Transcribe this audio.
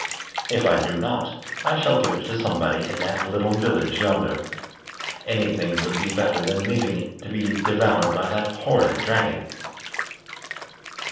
If I do not, I shall give it to somebody in that little village yonder. Any thing would be better than leaving it to be devoured by that horrid dragon."